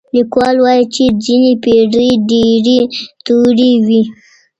ليکوال وايي چي ځينې پېړۍ ډېرې تورې وې.